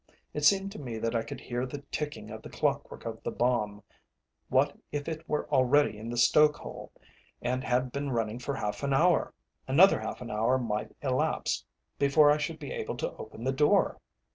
It seemed to me that I could hear the ticking of the clock work of the bomb. What if it were already in the stoke hole, and had been running for half an hour? Another half an hour might elapse before I should be able to open the door.